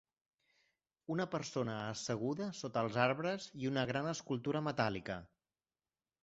Una persona asseguda sota els arbres i una gran escultura metàl·lica.